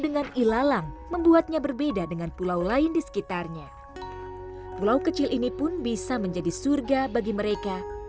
begitu saja muliusnya dirabuk rabuk warenpun sangat seperti ketat